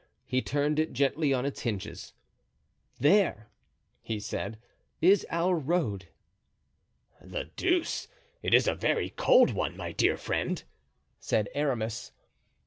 He turned it gently on its hinges. "There," he said, "is our road." "The deuce! it is a very cold one, my dear friend," said Aramis.